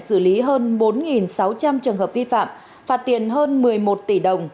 xử lý hơn bốn sáu trăm linh trường hợp vi phạm phạt tiền hơn một mươi một tỷ đồng